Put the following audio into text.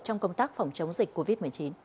trong công tác phòng chống dịch covid một mươi chín